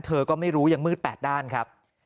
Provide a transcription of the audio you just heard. เธอก็ไม่รู้ยังมืด๘ด้านครับ